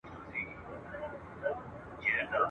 چي د سپي سترګي سوې خلاصي په غپا سو !.